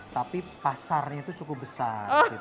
tapi pasarnya itu cukup besar